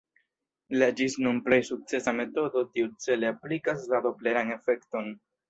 La ĝis nun plej sukcesa metodo tiucele aplikas la dopleran efekton.